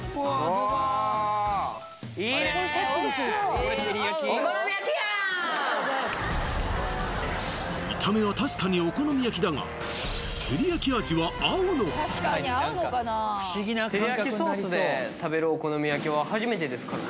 ドバーッ見た目は確かにお好み焼きだがてりやきソースで食べるお好み焼きは初めてですからね